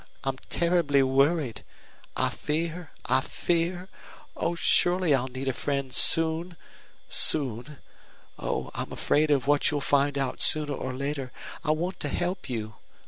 I'm terribly worried. I fear I fear Oh, surely I'll need a friend soon soon. Oh, I'm afraid of what you'll find out sooner or later. I want to help you.